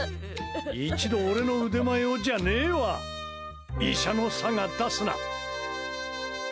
一度、俺の腕前をじゃねえわ！医者のさが、出すな。